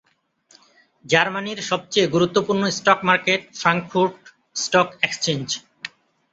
জার্মানির সবচেয়ে গুরুত্বপূর্ণ stock market Frankfurt stock exchange.